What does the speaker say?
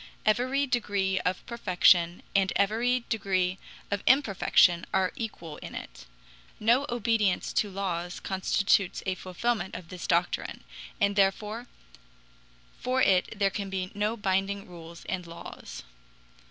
Every degree of perfection and every degree of imperfection are equal in it; no obedience to laws constitutes a fulfillment of this doctrine, and therefore for it there can be no binding rules and laws.